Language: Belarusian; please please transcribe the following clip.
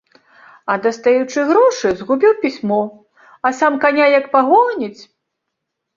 А дастаючы грошы, згубіў пісьмо, а сам каня як пагоніць!